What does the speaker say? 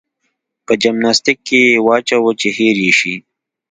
په جمناستيک کې يې واچوه چې هېر يې شي.